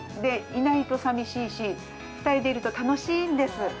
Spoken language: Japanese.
いないと寂しいし、２人でいると楽しいんです。